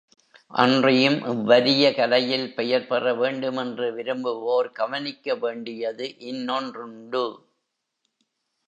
அன்றியும் இவ்வரிய கலையில் பெயர் பெற வேண்டுமென்று விரும்புவோர் கவனிக்கவேண்டியது இன்னொன்றுண்டு.